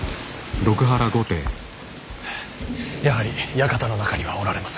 やはり館の中にはおられません。